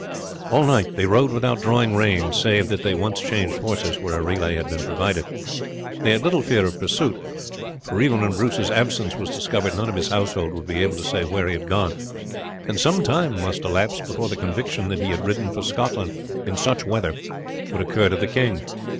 All night they rode without drawing rein, save that they once changed horses where a relay had been provided. They had little fear of pursuit, for even when Bruce's absence was discovered none of his household would be able to say where he had gone, and some time must elapse before the conviction that he had ridden for Scotland, in such weather, would occur to the king.